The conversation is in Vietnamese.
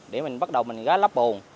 để mình bắt đầu mình gá lắp bồn